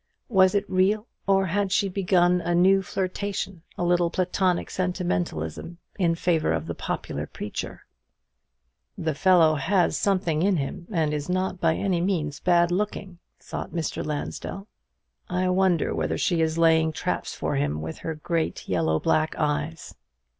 was it real, or had she begun a new flirtation, a little platonic sentimentalism in favour of the popular preacher? "The fellow has something in him, and is not by any means bad looking," thought Mr. Lansdell; "I wonder whether she is laying traps for him with her great yellow black eyes?"